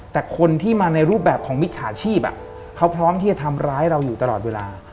แต่คนที่มาในรูปแบบของมิจฉาชีพเขาพร้อมที่จะทำร้ายเราอยู่ตลอดเวลา